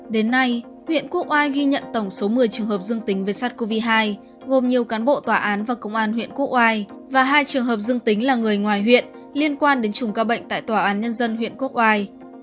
đến nay huyện quốc oai ghi nhận tổng số một mươi trường hợp dương tính với sars cov hai gồm nhiều cán bộ tòa án và công an huyện quốc oai và hai trường hợp dương tính là người ngoài huyện liên quan đến chùm ca bệnh tại tòa án nhân dân huyện quốc oai